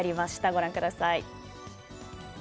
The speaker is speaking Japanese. ご覧ください。